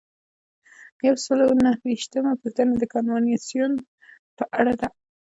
یو سل او نهه ویشتمه پوښتنه د کنوانسیون په اړه ده.